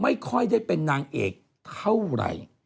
ไม่ค่อยได้เป็นนางเอกเท่าไหร่